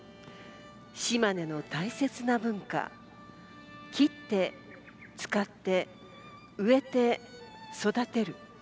島根の大切な文化「伐って、使って、植えて、育てる」